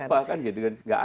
yang menjalankan siapa